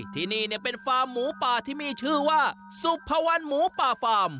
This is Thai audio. ที่นี่เป็นฟาร์มหมูป่าที่มีชื่อว่าสุภาวันหมูป่าฟาร์ม